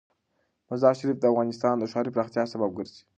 مزارشریف د افغانستان د ښاري پراختیا سبب کېږي.